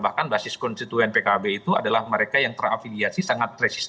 bahkan basis konstituen pkb itu adalah mereka yang terafiliasi sangat resisten